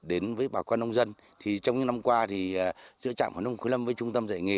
đến với bà con nông dân thì trong những năm qua thì giữa trạm hồ nông khối lâm với trung tâm dạy nghề